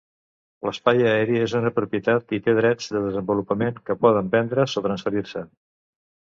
L'espai aeri és una propietat i té drets de desenvolupament que poden vendre's o transferir-se.